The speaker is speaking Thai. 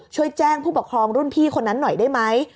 ช่วยแจ้งผู้ปกครองรุ่นพี่คนนั้นหน่อยได้ไหม